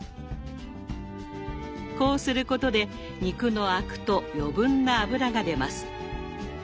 こうすることで肉のアクと余分な脂が出ます。